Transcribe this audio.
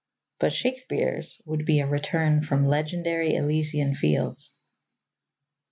But Shakespeare's would be a return from legendary Elysian fields.